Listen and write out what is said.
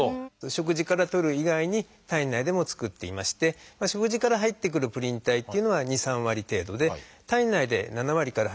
食事からとる以外に体内でも作っていまして食事から入ってくるプリン体っていうのは２３割程度で体内で７割から